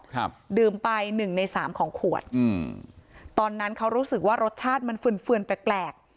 ครับดื่มไปหนึ่งในสามของขวดอืมตอนนั้นเขารู้สึกว่ารสชาติมันฟืนฟืนแปลกแปลก